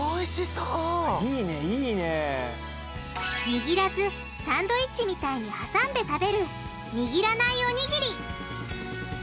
にぎらずサンドイッチみたいに挟んで食べる「にぎらないおにぎり」